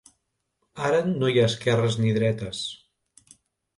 Ara no hi ha esquerres ni dretes.